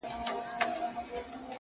سواهد ټول راټولوي-